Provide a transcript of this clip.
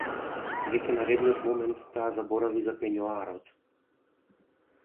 Веќе наредниот момент таа заборави за пењоарот.